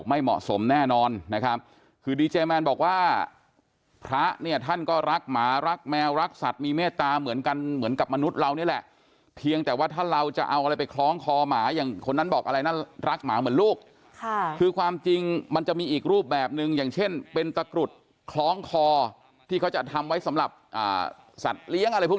ไม่เหมาะสมแน่นอนนะครับคือดีเจแมนบอกว่าพระเนี่ยท่านก็รักหมารักแมวรักสัตว์มีเมตตาเหมือนกันเหมือนกับมนุษย์เรานี่แหละเพียงแต่ว่าถ้าเราจะเอาอะไรไปคล้องคอหมาอย่างคนนั้นบอกอะไรนะรักหมาเหมือนลูกค่ะคือความจริงมันจะมีอีกรูปแบบหนึ่งอย่างเช่นเป็นตะกรุดคล้องคอที่เขาจะทำไว้สำหรับสัตว์เลี้ยงอะไรพวก